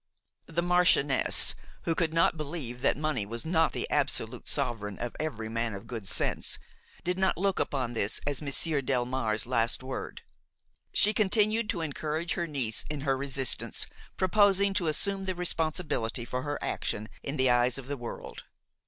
The marchioness, who could not believe that money was not the absolute sovereign of every man of good sense, did not look upon this as Monsieur Delmare's last word; she continued to encourage her niece in her resistance, proposing to assume the responsibility for her action in the eyes of the world.